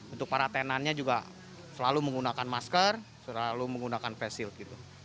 untuk para tenannya juga selalu menggunakan masker selalu menggunakan face shield gitu